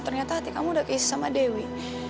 ternyata hati kamu udah kasih sama dewi